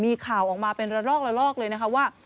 มีข่าวออกมาเป็นระลอกเลยนะว่า